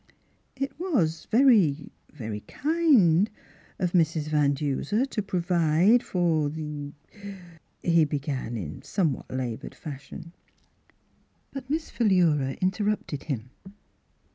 " It was — er — very kind of Mrs. Van Duser to provide for the —" he began, in somewhat laboured fashion. But Miss Philura interrupted him.